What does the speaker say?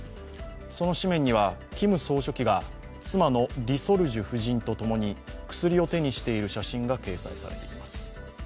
その紙面には、キム総書記が妻のリ・ソルジュ夫人と共に薬を手にしている写真が掲載されています。